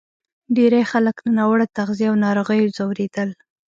ډېری خلک له ناوړه تغذیې او ناروغیو ځورېدل.